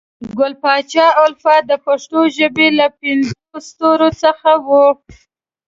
ګل پاچا الفت د پښنو ژبې له پنځو ستورو څخه وو